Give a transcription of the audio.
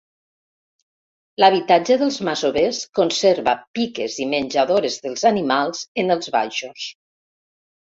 L'habitatge dels masovers conserva piques i menjadores dels animals en els baixos.